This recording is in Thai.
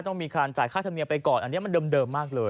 ต้องมีการจ่ายค่าธรรมเนียไปก่อนอันนี้มันเดิมมากเลย